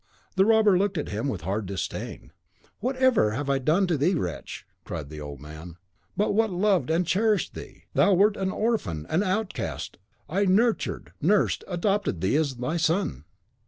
The robber looked at him with a hard disdain. "What have I ever done to thee, wretch?" cried the old man, "what but loved and cherished thee? Thou wert an orphan, an outcast. I nurtured, nursed, adopted thee as my son.